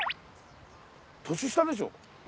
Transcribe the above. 下でしょ？